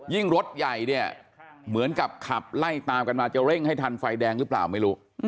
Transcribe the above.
รถใหญ่เนี่ยเหมือนกับขับไล่ตามกันมาจะเร่งให้ทันไฟแดงหรือเปล่าไม่รู้